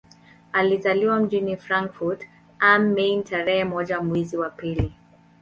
Alizaliwa mjini Frankfurt am Main tarehe moja mwezi wa pili